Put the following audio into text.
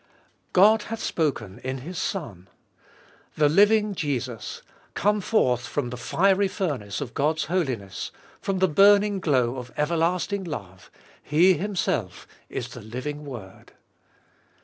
God hath spoken in His Son ! The living Jesus, come forth 3 34 Gbe Iboliest of 2UI from the fiery furnace of God's holiness, from the burning glow of everlasting love, He Himself is the living Word.